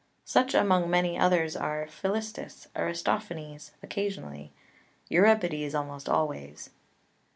Such among many others are Philistus, Aristophanes occasionally, Euripides almost always.